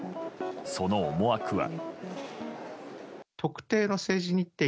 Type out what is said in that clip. その思惑は。